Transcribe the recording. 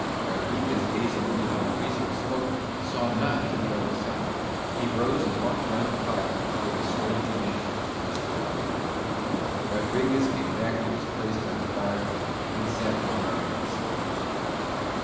Rodriguez gazing through the increasing smoke saw not to the other side. He rose and walked round the fire, but the strange man was gone. Rodriguez came back to his place by the fire and sat long there in silence.